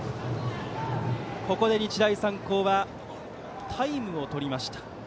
ここで日大三高はタイムを取りました。